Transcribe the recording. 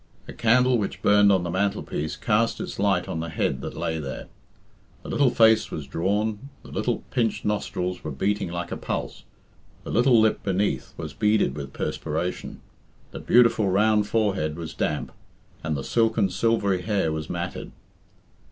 A candle which burned on the mantelpiece cast its light on the head that lay there. The little face was drawn, the little pinched nostrils were beating like a pulse, the little lip beneath was beaded with perspiration, the beautiful round forehead was damp, and the silken silvery hair was matted.